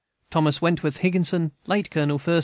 "THOMAS WENTWORTH HIGGINSON, Late Colonel 1st S.